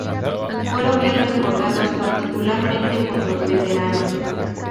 Fueron bien recordados, particularmente por los veteranos.